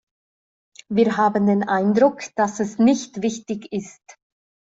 Wir haben den Eindruck, dass es nicht wichtig ist.